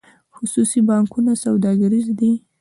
خصوصي بانکونه سوداګریز دي